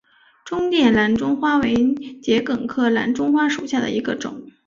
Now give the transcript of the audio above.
中甸蓝钟花为桔梗科蓝钟花属下的一个种。